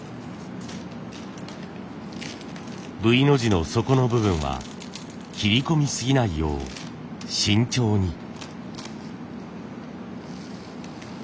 Ｖの字の底の部分は切り込みすぎないよう慎重に。